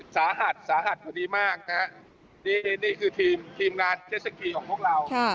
สาหัสสาหัสก็ดีมากนะฮะนี่นี่คือทีมทีมงานเจ็ดสกีของพวกเราค่ะ